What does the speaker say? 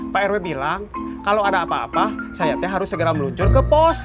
pak rw bilang kalau ada apa apa sayapnya harus segera meluncur ke pos